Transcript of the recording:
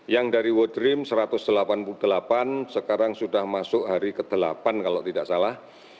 yang dari world dream satu ratus delapan puluh delapan sekarang sudah masuk hari ke delapan kalau tidak salah